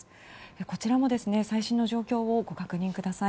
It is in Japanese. こちらも最新の状況をご確認ください。